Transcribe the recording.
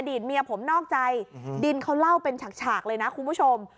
ตเมียผมนอกใจดินเขาเล่าเป็นฉากเลยนะคุณผู้ชม